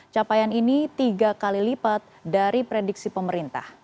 capaian ini tiga kali lipat dari prediksi pemerintah